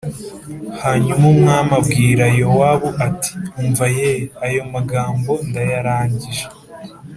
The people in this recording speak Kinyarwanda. Hanyuma umwami abwira Yowabu ati “Umva ye, ayo magambo ndayarangije.